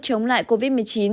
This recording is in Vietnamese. chống lại covid một mươi chín